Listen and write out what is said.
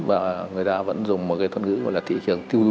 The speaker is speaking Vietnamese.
và người ta vẫn dùng một cái thân gửi gọi là thị trường tiêu dùng